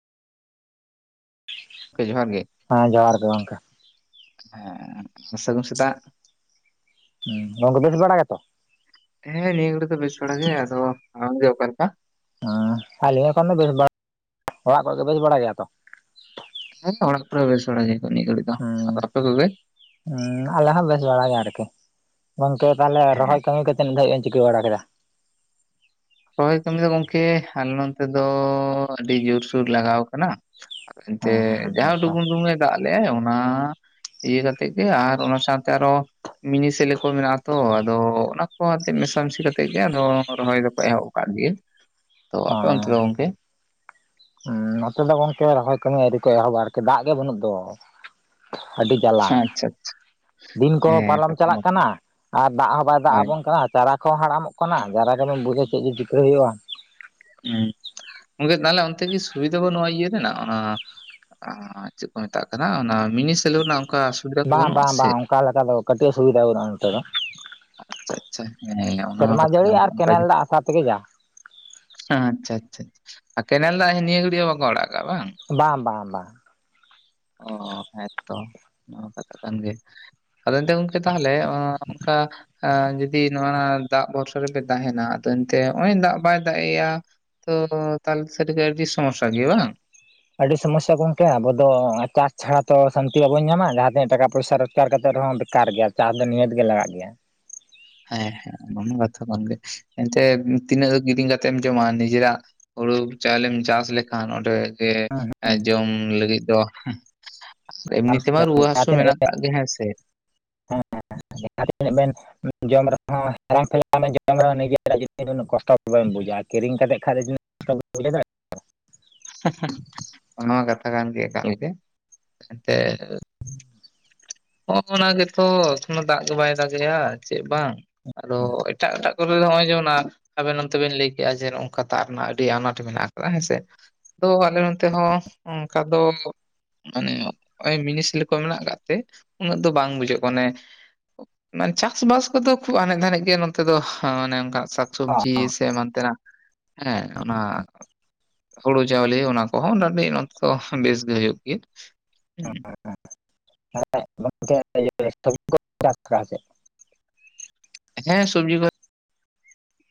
ᱠᱮ ᱡᱚᱦᱟᱨ ᱜᱮ ᱦᱮᱸ ᱡᱚᱦᱟᱨ ᱜᱮ ᱜᱚᱝᱠᱮ ᱦᱮᱸ ᱥᱟᱹᱜᱩᱱ ᱥᱮᱛᱟᱜ ᱦᱩᱸ ᱜᱚᱢᱠᱮ ᱵᱮᱥ ᱵᱟᱲᱟ ᱜᱮᱛᱚ ᱦᱮ ᱱᱤᱭᱟᱹ ᱜᱷᱟᱲᱤ ᱫᱚ ᱵᱤᱥ ᱠᱚᱲᱟ ᱜᱮ ᱟᱫᱚ ᱟᱢ ᱜᱮ ᱚᱠᱟ ᱞᱮᱠᱟ ᱦᱮᱸ ᱟᱞᱮ ᱦᱚᱸ ᱚᱱᱠᱟ ᱫᱚ ᱵᱮᱥ ᱵᱟᱲᱟ [inaudible] ᱚᱲᱟᱜ ᱠᱚᱨᱮ ᱫᱚ ᱵᱮᱥ ᱵᱟᱲᱟ ᱜᱮᱭᱟ ᱛᱚ ᱦᱮᱸ ᱚᱲᱟᱜ ᱠᱚᱨᱮ ᱵᱮᱥ ᱵᱟᱲᱟ ᱜᱮᱭᱟ ᱠᱚ ᱱᱤᱭᱟ. ᱜᱷᱟᱲᱤᱡ ᱦᱩᱸ ᱟᱞᱮ ᱦᱚᱸ ᱵᱮᱥ ᱵᱟᱲᱟᱭ ᱜᱮ ᱟᱨᱠᱤ ᱜᱚᱝᱠᱮ ᱛᱟᱦᱚᱞᱮ ᱦᱮᱸ ᱨᱚᱦᱚᱭ ᱠᱟᱹᱢᱤ ᱠᱚ ᱛᱤᱱᱟᱜ ᱫᱷᱟᱵᱤᱡ ᱮᱢ ᱪᱤᱠᱟᱹ ᱵᱟᱲᱟ ᱠᱮᱫᱟ ᱨᱚᱦᱚᱭ ᱠᱟᱹᱢᱤ ᱫᱚ ᱜᱚᱢᱠᱮ ᱟᱞᱮ ᱱᱚᱱᱛᱮ ᱫᱚ ᱟᱹᱰᱤ ᱡᱩᱨ-ᱥᱩᱨ ᱞᱟᱜᱟᱣ ᱟᱠᱟᱱᱟ ᱚᱱᱛᱮ ᱦᱮᱸ ᱦᱮᱸ ᱟᱹᱰᱤ ᱡᱟᱦᱟ ᱱᱟᱯᱟᱭ ᱴᱩᱜᱟᱹ ᱴᱩᱜᱟᱹ ᱫᱟᱜ ᱞᱮᱜᱟᱭ ᱚᱱᱟ ᱤᱭᱟᱹ ᱠᱟᱛᱮ ᱜᱮ ᱟᱨ ᱚᱱᱟ ᱥᱟᱶᱛᱮ ᱟᱨᱦᱚᱸ ᱢᱤᱱᱤ ᱥᱮᱞᱮ ᱠᱚ ᱢᱮᱱᱟᱜᱼᱟ ᱟᱛᱚ ᱟᱫᱚ ᱚᱱᱟ ᱠᱚ ᱢᱮᱥᱟᱢᱤᱥᱤ ᱠᱟᱛᱮᱜ ᱜᱮ ᱟᱫᱚ ᱨᱚᱦᱚᱭ ᱫᱚ ᱯᱮ ᱮᱦᱚᱵ ᱟᱠᱟᱫ ᱜᱮ ᱛᱚ ᱟᱯᱮ ᱚᱱᱛᱮ ᱫᱚ ᱜᱚᱝᱠᱮ ᱦᱮᱸ ᱱᱚᱛᱮ ᱫᱚ ᱜᱚᱝᱠᱮ ᱨᱚᱦᱚᱭ ᱠᱟᱹᱢᱤ ᱟᱹᱨᱤ ᱠᱚ ᱮᱦᱚᱵᱟ ᱟᱨᱠᱤ ᱫᱟᱜ ᱜᱮ ᱵᱟᱹᱱᱩᱜ ᱫᱚ [unintelligible] ᱟᱹᱰᱤ ᱡᱟᱞᱟ ᱟᱪᱪᱷᱟ ᱫᱤᱱ ᱠᱚᱦᱚᱸ ᱦᱮᱸ ᱯᱟᱨᱚᱢ ᱠᱟᱛᱷᱟ ᱢᱟ ᱪᱟᱞᱟᱜ ᱠᱟᱱᱟ ᱟᱨ ᱫᱟᱜ ᱦᱚᱸ ᱵᱟᱭ ᱫᱟᱜ ᱦᱳᱭ ᱟᱵᱚᱱ ᱠᱟᱱᱟ ᱪᱟᱨᱟ ᱠᱚ ᱦᱟᱲᱟᱢᱚᱜ ᱠᱟᱱᱟ ᱡᱟᱨᱟ ᱜᱮᱢ ᱵᱩᱡᱟ ᱪᱮᱫ ᱡᱮ ᱪᱤᱠᱟᱹ ᱦᱩᱭᱩᱜᱼᱟ᱾ ᱦᱩᱸ ᱜᱚᱝᱠᱮ ᱛᱟᱦᱞᱮ ᱚᱱᱛᱮ ᱜᱮ ᱥᱩᱵᱤᱫᱷᱟ ᱵᱟᱱᱩᱜ ᱟ ᱤᱭᱟᱹ ᱨᱮᱱᱟᱜ ᱚᱱᱟ ᱪᱮᱫ ᱠᱚ ᱢᱮᱛᱟᱜ ᱠᱟᱱᱟ ᱚᱱᱟ ᱢᱤᱱᱤ ᱥᱮᱞᱩ ᱨᱮᱱᱟᱜ? ᱚᱱᱠᱟ ᱥᱩᱵᱤᱫᱷᱟ ᱠᱚ ᱵᱟᱝ ᱵᱟᱹᱱᱩᱜᱼᱟ ᱵᱟᱝ ᱥᱮ? ᱵᱟᱝ ᱚᱱᱠᱟ ᱞᱮᱠᱟ ᱫᱚ ᱠᱟᱹᱴᱤᱡ ᱥᱩᱵᱤᱫᱷᱟ ᱵᱟᱹᱱᱩᱜᱼᱟ ᱱᱚᱛᱮ ᱫᱚ᱾ ᱟᱪᱪᱷᱟ ᱟᱪᱪᱷᱟ ᱦᱮᱸ ᱚᱱᱟᱦᱚᱸ ᱥᱮᱨᱢᱟ ᱠᱟᱛᱷᱟ ᱡᱟᱹᱲᱤ ᱠᱟᱱ ᱜᱮ ᱟᱨ ᱚᱱᱠᱟ ᱠᱮᱱᱮᱞ ᱜᱮ ᱫᱟᱜ ᱟᱥᱟ ᱛᱮᱜᱮ ᱡᱟ ᱟᱪᱪᱷᱟ ᱟᱪᱪᱷᱟ ᱪᱷᱟ ᱠᱮᱱᱮᱞ ᱫᱟᱜ ᱱᱤᱭᱟᱹ ᱜᱷᱟᱹᱲᱭᱟᱹ ᱵᱟᱠᱚ ᱟᱲᱟᱜᱼᱟ ᱵᱟᱝ ᱵᱟᱝ ᱵᱟᱝ ᱵᱟᱝ ᱚ ᱦᱮ ᱛᱚ ᱱᱚᱣᱟ ᱠᱟᱛᱷᱟ ᱠᱟᱱ ᱜᱮᱭᱟ ᱟᱫᱚ ᱮᱱᱛᱮ ᱜᱚᱝᱠᱮ ᱛᱟᱦᱚᱞᱮ ᱚᱱᱠᱟ ᱮ ᱡᱩᱫᱤ ᱱᱚᱜᱼ ᱫᱟᱜ ᱵᱷᱚᱨᱥᱟ ᱨᱮᱯᱮ ᱛᱟᱦᱮᱸᱱᱟ ᱟᱫᱚ ᱮᱱᱛᱮ ᱱᱚᱜᱼᱚᱭ ᱫᱟᱜ ᱵᱟᱭ ᱫᱟᱜ ᱮᱫᱼᱟ ᱛᱚ ᱛᱟᱦᱚᱞᱮ ᱥᱟᱨᱤ ᱜᱮ ᱟᱹᱰᱤ ᱥᱚᱢᱚᱥᱟ ᱜᱮᱭᱟ ᱵᱟᱝ ᱟᱹᱰᱤ ᱥᱚᱢᱚᱥᱥᱟ ᱠᱚ ᱜᱚᱢᱠᱮ ᱟᱵᱚ ᱫᱚ ᱪᱟᱥ ᱪᱷᱟᱲᱟ ᱛᱚ ᱥᱟᱱᱛᱤ ᱵᱟᱵᱚᱱ ᱧᱟᱢᱟ ᱡᱟᱦᱟᱸ ᱛᱤᱱᱟᱹᱜ ᱴᱟᱠᱟ ᱯᱚᱭᱥᱟ ᱵᱮᱠᱟᱨ ᱠᱟᱛᱮ ᱨᱮᱦᱚᱸ ᱵᱮᱠᱟᱨ ᱜᱮᱭᱟ ᱪᱟᱥ ᱫᱚ ᱱᱤᱦᱟᱹᱛ ᱜᱮ ᱞᱟᱜᱟᱜ ᱜᱮᱭᱟ ᱦᱮᱸ ᱦᱮᱸ ᱚᱱᱟ ᱠᱟᱛᱷᱟ ᱠᱟᱱ ᱜᱮᱭᱟ ᱮᱱᱛᱮ ᱛᱤᱱᱟᱹᱜ ᱠᱤᱨᱤᱧ ᱠᱟᱛᱮ ᱮᱢ ᱡᱚᱢᱟ ᱱᱤᱡᱮᱨᱟᱜ ᱦᱩᱲᱩ ᱪᱟᱣᱞᱮᱢ ᱪᱟᱥ ᱞᱮᱠᱷᱟᱱ ᱚᱸᱰᱮ ᱜᱮ ᱡᱚᱢ ᱞᱟᱹᱜᱤᱫ ᱫᱚ ᱟᱨ ᱮᱢᱱᱤ ᱛᱮᱢᱟ ᱨᱩᱣᱟᱹ ᱦᱟᱹᱥᱩ ᱢᱮᱱᱟᱜ ᱟᱠᱟᱜ ᱜᱮ ᱦᱮᱸ ᱥᱮ ᱦᱮᱸ ᱦᱮᱸ ᱡᱟᱦᱟᱸᱱᱟᱹᱜ ᱵᱮᱱ ᱡᱚᱢ ᱨᱮᱦᱚᱸ [unintelligible] ᱡᱚᱢ ᱨᱮᱦᱚᱸ ᱱᱮᱱᱟᱜ ᱠᱚᱥᱴᱚ ᱵᱟᱢ ᱵᱩᱡᱟᱼᱟ ᱠᱤᱨᱤᱧ ᱠᱟᱛᱮ ᱠᱷᱟᱱ ᱫᱚ [unintelligible] ᱚᱱᱟ ᱠᱟᱛᱷᱟ ᱠᱟᱱ ᱜᱮᱭᱟ ᱮᱠᱟᱞ ᱜᱮ ᱮᱱᱛᱮᱫ ᱦᱚᱸᱜ ᱚᱱᱟ ᱜᱮᱛᱚ ᱠᱚᱱᱳ ᱫᱟᱜ ᱜᱮ ᱵᱟᱭ ᱫᱟᱜᱮᱭᱟ ᱪᱮᱫ ᱵᱟᱝ ᱟᱫᱚ ᱮᱴᱟᱜ ᱮᱴᱟᱜ ᱨᱮ ᱱᱚᱜᱼᱚᱭ ᱡᱮᱢᱚᱱ ᱟᱱ ᱟᱵᱮᱱ ᱱᱚᱱᱛᱮ ᱵᱮᱱ ᱞᱟᱹᱭ ᱠᱮᱜᱼᱟ ᱡᱮ ᱱᱚᱝᱠᱟ ᱫᱟᱜ ᱨᱮᱱᱟᱜ ᱟᱹᱰᱤ ᱟᱱᱟᱴ ᱢᱮᱱᱟᱜ ᱟᱠᱟᱫᱟ ᱦᱮᱸ ᱥᱮ ᱟᱫᱚ ᱟᱞᱮ ᱱᱚᱱᱛᱮ ᱦᱚᱸ ᱚᱱᱠᱟ ᱫᱚ ᱢᱟᱱᱮ ᱚᱭ ᱢᱤᱱᱤᱥᱠᱳᱠᱚ ᱢᱮᱱᱟᱜ ᱠᱟᱜ ᱛᱮ ᱩᱱᱟᱹᱜ ᱫᱚ ᱵᱟᱝ ᱵᱩᱡᱷᱟᱹᱜ ᱠᱟᱱᱟ ᱚᱱᱮ ᱟᱱ ᱪᱟᱥᱵᱟᱥ ᱠᱚᱫᱚ ᱠᱷᱩᱵ ᱟᱱᱮᱡ ᱫᱷᱟᱱᱤᱡ ᱜᱮ ᱱᱚᱛᱮ ᱫᱚ ᱚᱱᱮ ᱚᱱᱠᱟ ᱥᱚᱵᱡᱤ ᱥᱮ ᱮᱢᱟᱱ ᱛᱮᱱᱟᱜ ᱦᱮᱸ ᱚᱱᱟ ᱦᱩᱲᱩ ᱪᱟᱣᱞᱮ ᱚᱱᱟ ᱠᱚᱦᱚᱸ ᱢᱚᱴᱟᱢᱩᱴᱤ ᱱᱚᱛᱮ ᱫᱚ ᱵᱮᱥ ᱜᱮ ᱦᱩᱭᱩᱜ ᱜᱮᱭᱟ, ᱦᱮᱸ [unintelligible] ᱦᱮᱸ ᱥᱚᱵᱡᱤ ᱠᱚ